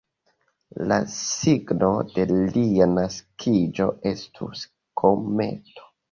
La signo de lia naskiĝo estus kometo.